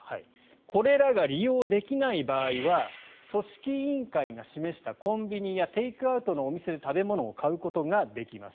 これらが利用できない場合は組織委員会が示したコンビニやテイクアウトのお店で食べ物を買うことができます。